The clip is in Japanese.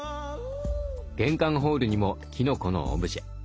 玄関ホールにもきのこのオブジェ。